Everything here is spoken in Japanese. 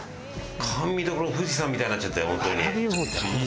甘味処の富士山みたいになっちゃって本当に。